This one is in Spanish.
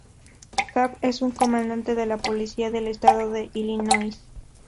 Cab es un comandante de la Policía del Estado de Illinois.